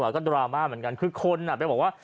ก็ดราม่าเหมือนกันคือคนไปบอกว่า